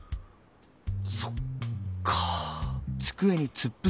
そっか。